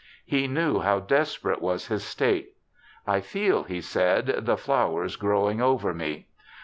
He knew how desperate was his state. *I feel,' he said, 'the flowers growing over me.'